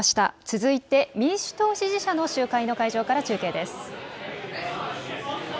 続いて民主党支持者の集会の会場から中継です。